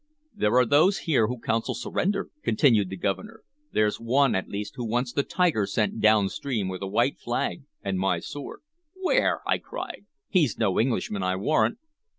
"There are those here who counsel surrender," continued the Governor. "There's one, at least, who wants the Tiger sent downstream with a white flag and my sword." "Where?" I cried. "He's no Englishman, I warrant!"